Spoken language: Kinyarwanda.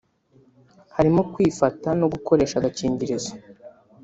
harimo kwifata no gukoresha agakingirizo